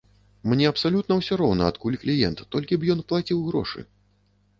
Мне абсалютна ўсё роўна, адкуль кліент, толькі б ён плаціў грошы.